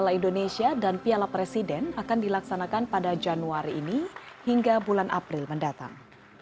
piala indonesia dan piala presiden akan dilaksanakan pada januari ini hingga bulan april mendatang